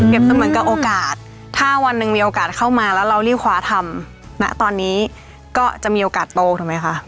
เหมือนกับโอกาสถ้าวันหนึ่งมีโอกาสเข้ามาแล้วเรารีบคว้าทำณตอนนี้ก็จะมีโอกาสโตถูกไหมคะ